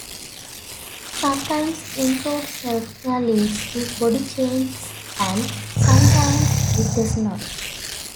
Sometimes improved self-care leads to body changes and sometimes it does not.